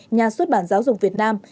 nhà xuất bản giáo dục việt nam